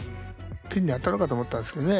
ピンに当たるかと思ったんですけどね。